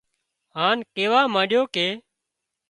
هان ڪيوا مانڏيو ڪي